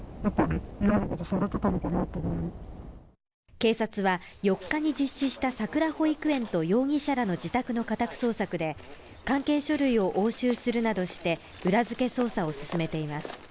警察は４日に実施したさくら保育園と容疑者らの自宅の家宅捜索で、関係書類を押収するなどして裏付け捜査を進めています。